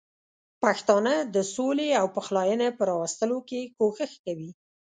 پښتانه د سولې او پخلاینې په راوستلو کې کوښښ کوي.